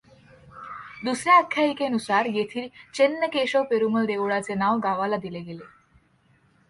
दुसऱ्या आख्यायिकेनुसार येथील चेन्न केशव पेरुमल देउळाचे नाव गावाला दिले गेले.